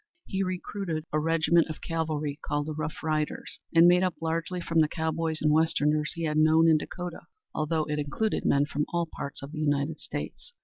He recruited a regiment of cavalry called the "Rough Riders" and made up largely from the cowboys and westerners he had known in Dakota, although it included men from all parts of the United States.